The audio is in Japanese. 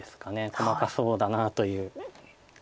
細かそうだなという。